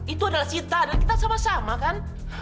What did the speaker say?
itu adalah cita dan kita sama sama kan